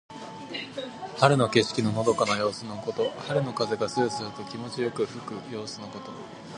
春の景色ののどかな様子のこと。春の風がそよそよと気持ちよく吹く様子のこと。